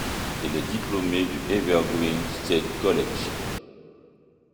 Elle est diplômée du Evergreen State College.